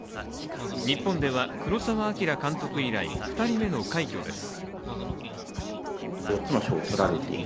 日本では黒澤明監督以来、２人目の快挙です。